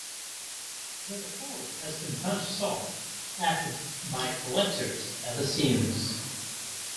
This record has been much sought after by collectors ever since.